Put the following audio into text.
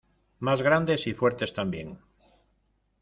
Más grandes y fuertes también.